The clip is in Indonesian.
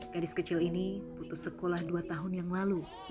gadis kecil ini putus sekolah dua tahun yang lalu